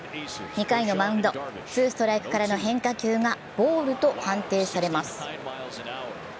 ２回のマウンドツーストライクからの変化球がボールと判定されます。